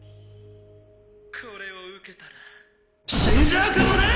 これを受けたら死んじゃうかもね！！